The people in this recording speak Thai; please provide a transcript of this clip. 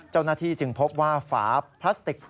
เจ้าหน้าที่จึงพบว่าฝาพลาสติก